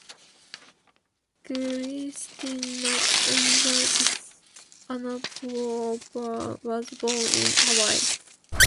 Kristina Elizabeth Anapau Roper was born in Hawaii.